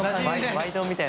バイトみたい。